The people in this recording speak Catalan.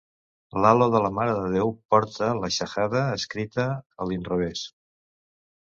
L'halo de la Mare de Déu porta la Shahada escrita a l'inrevés.